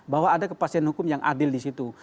bahwa ada kepastian hukum yang adil di situ